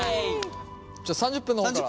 じゃあ３０分の方から。